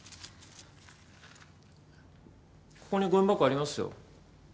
ここにごみ箱ありますよ。